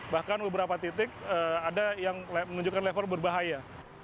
bahkan beberapa titik ada yang menunjukkan level berbahaya